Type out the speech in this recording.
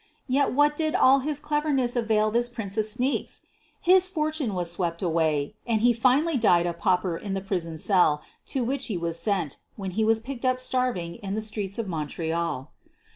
Yet what did all his cleverness avail this prince QUEEN OF THE BURGLARS 215 of '' sneaks ' y ? His fortune was swept away, and be finally died a pauper in the prison cell to which he was sent when he was picked up starving in the streets of Montreal.